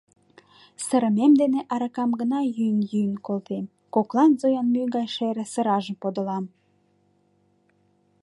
Сырымем дене аракам гына йӱын-йӱын колтем, коклан Зоян мӱй гай шере сыражым подылам.